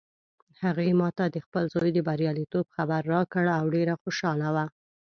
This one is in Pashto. هغې ما ته د خپل زوی د بریالیتوب خبر راکړ او ډېره خوشحاله وه